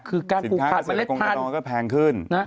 สินค้ากัศนกรกรกันก็แพงขึ้น